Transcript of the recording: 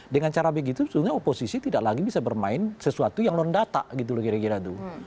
dengan cara begitu sebenarnya oposisi tidak lagi bisa bermain sesuatu yang non data gitu loh kira kira tuh